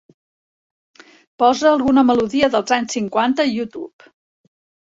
posa alguna melodia dels anys cinquanta a YouTube